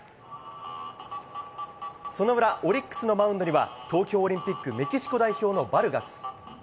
その裏オリックスのマウンドには東京オリンピックメキシコ代表のバルガス。